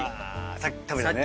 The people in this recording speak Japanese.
さっき食べたね。